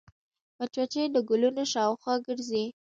مچمچۍ د ګلونو شاوخوا ګرځي